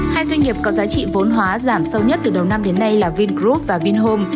hai doanh nghiệp có giá trị vốn hóa giảm sâu nhất từ đầu năm đến nay là vingroup và vinhome